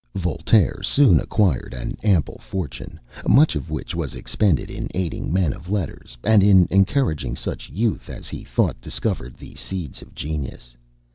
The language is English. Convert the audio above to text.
Voltaire soon acquired an ample fortune, much of which was expended in aiding men of letters, and in encouraging such youth as he thought discovered the seeds of genius.